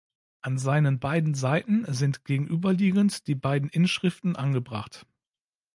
An seinen beiden Seiten sind gegenüberliegend die beiden Inschriften angebracht.